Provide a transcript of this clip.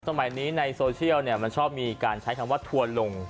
สมัยนี้ในโซเชียลมันชอบมีการใช้คำว่าทัวร์ลง